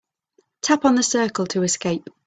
Tap on the circle to escape.